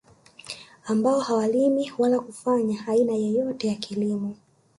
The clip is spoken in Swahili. Ambao hawalimi wala kufanya aina yeyote ya kilimo